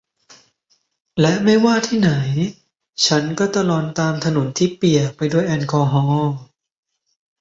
และไม่ว่าจะที่ไหนฉันก็ตะลอนตามถนนที่เปียกไปด้วยแอลกอฮอล์